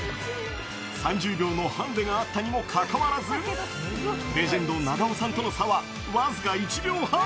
３０秒のハンデがあったにもかかわらず、レジェンド、永尾さんとの差は僅か１秒半。